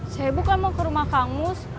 saya bukan mau ke rumah kang mus